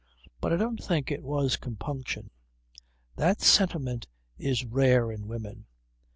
But I don't think it was compunction. That sentiment is rare in women ...